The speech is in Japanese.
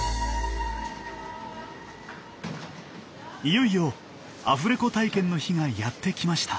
いよいよアフレコ体験の日がやって来ました。